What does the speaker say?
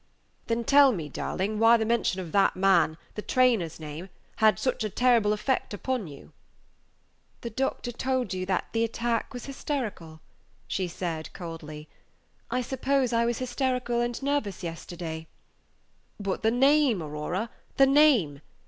"Then tell me, darling, why the mention of that man, the trainer's name, had such a terrible effect upon you." "The doctor told you that the attack was Page 75 hysterical," she said, coldly; "I suppose I was hysterical and nervous yesterday." "But the name, Aurora, the name.